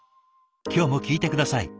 今日も聞いて下さい。